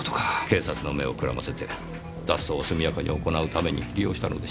警察の目をくらませて脱走を速やかに行うために利用したのでしょう。